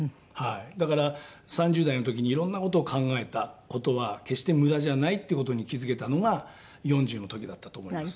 だから３０代の時にいろんな事を考えた事は決して無駄じゃないっていう事に気付けたのが４０の時だったと思います。